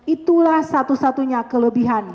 itulah satu satunya kelebihan